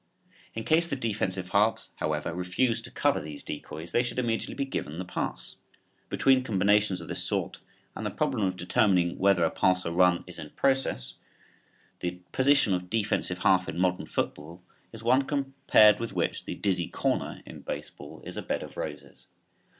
In case the defensive halves, however, refuse to cover these decoys, they should immediately be given the pass. Between combinations of this sort and the problem of determining whether a pass or run is in process, the position of defensive half in modern football is one compared with which the "dizzy corner" in baseball is a bed of roses.